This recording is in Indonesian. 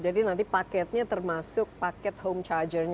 jadi nanti paketnya termasuk paket home charger nya